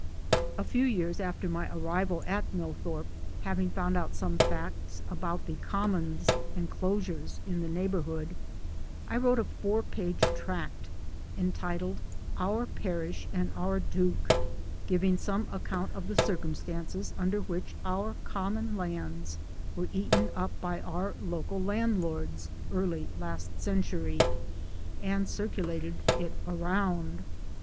A few years after my arrival at Millthorpe, having found out some facts about the Commons Enclosures in the neighborhood, I wrote a four page tract entitled Our Parish and our Duke giving some account of the circumstances under which our common lands were eaten up by our local landlords early last century and circulated it around.